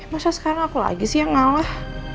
masa sekarang aku lagi sih yang ngalah